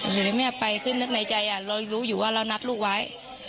อยู่ในแม่ไปคือนึกในใจเรารู้อยู่ว่าเรานัดลูกไว้